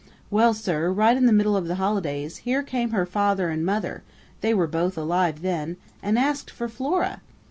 "Well, sir, right in the middle of the holidays, here came her father and mother they were both alive then and asked for Flora!